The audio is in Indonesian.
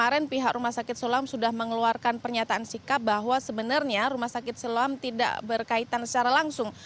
karena kemarin pihak rumah sakit siloam sudah mengeluarkan pernyataan sikap bahwa sebenarnya rumah sakit siloam tidak berkaitan secara langsung